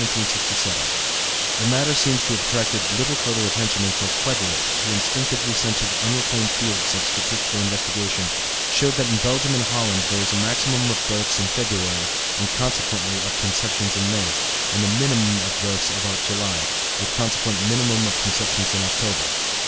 The matter seems to have attracted little further attention until Quetelet, who instinctively scented unreclaimed fields of statistical investigation, showed that in Belgium and Holland there is a maximum of births in February, and, consequently, of conceptions in May, and a minimum of births about July, with consequent minimum of conceptions in October.